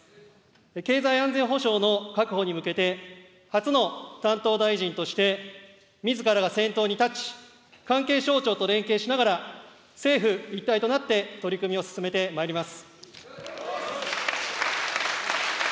経済安全保障の確保に向けて、初の担当大臣として、みずからが先頭に立ち、関係省庁と連携しながら、政府一体となって取り組みを進めてまいります。